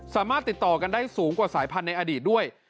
สามารถติดต่อกันได้สูงกว่าสายพันธุ์ในอดีตด้วย